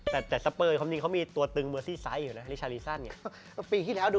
คือเป็นกลางสถิติดูได้เลย